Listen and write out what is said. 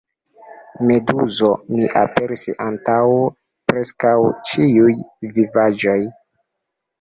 Meduzo: "Mi aperis antaŭ preskaŭ ĉiuj vivaĵoj!"